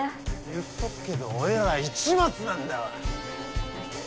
言っとくけど俺ら市松なんだわ！